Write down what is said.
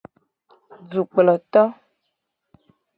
Dukploto.